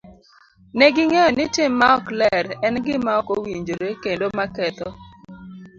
Ne ging'eyo ni tim maok ler en gima ok owinjore kendo maketho.